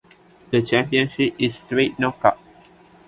The championship is straight knockout.